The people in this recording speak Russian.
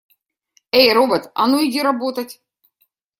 Эй, робот, а ну иди работать!